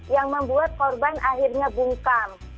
yang membuat korban akhirnya bungkam